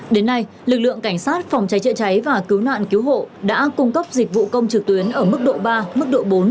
đến nay lực lượng cảnh sát phòng cháy chữa cháy và cứu nạn cứu hộ đã cung cấp dịch vụ công trực tuyến ở mức độ ba mức độ bốn